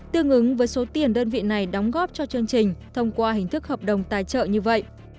tương ứng với số tiền đơn vị này đóng góp cho chương trình thông qua hình thức hợp đồng tài trợ như vậy